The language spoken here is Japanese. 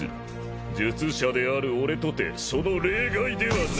術者である俺とてその例外ではない。